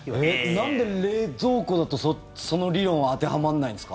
なんで冷蔵庫だとその理論当てはまらないんですか？